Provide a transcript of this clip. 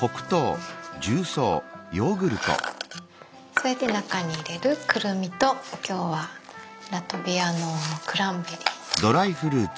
それで中に入れるくるみと今日はラトビアのクランベリー。